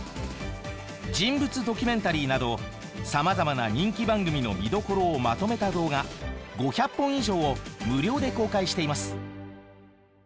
人物ドキュメンタリーなどさまざまな人気番組の見どころをまとめた動画５００本以上を無料で公開しています。